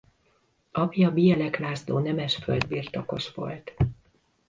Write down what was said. Apja Bielek László nemes földbirtokos volt.